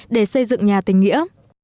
để xây dựng nhà tình nghĩa